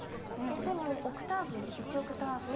でもオクターブ１オクターブ？